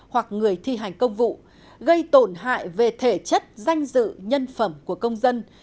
hoặc người thi hành công vụ gây tổn hại về thể chất danh dự nhân phẩm của công dân